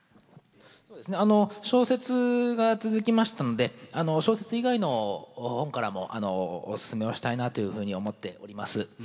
そうですね小説が続きましたので小説以外の本からもおすすめをしたいなというふうに思っております。